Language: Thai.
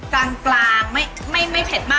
กลางเป็นไม่เพ็ดมาก